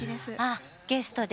あゲストで。